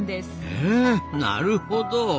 へえなるほど。